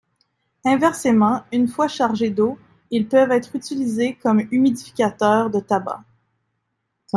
Inversement, une fois chargés d'eau, ils peuvent être utilisés comme humidificateurs de tabac.